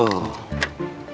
aku su dying maarah kesana ya